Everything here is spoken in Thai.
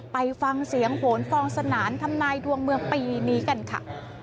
ไปฟังเสียงโหนฟองสนานทำนายดวงเมืองปีนี้กันค่ะ